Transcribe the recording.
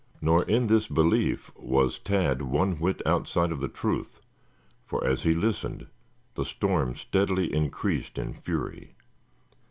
Nor in this belief was Tad one whit outside of the truth, for, as he listened, the storm steadily increased in fury.